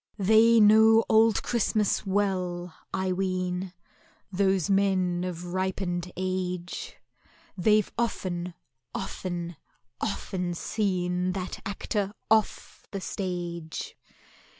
They know Old Christmas well, I ween, Those men of ripened age; They've often, often, often seen That Actor off the stage!